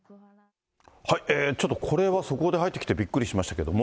ちょっとこれは速報で入ってきてびっくりしましたけども。